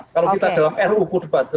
kalau kita dalam ru kodebat